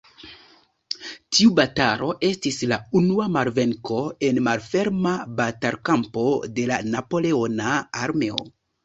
Tiu batalo estis la unua malvenko en malferma batalkampo de la Napoleona armeo.